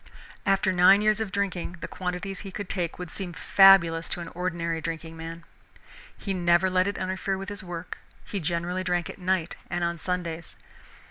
After nine years of drinking, the quantities he could take would seem fabulous to an ordinary drinking man. He never let it interfere with his work, he generally drank at night and on Sundays.